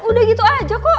udah gitu aja kok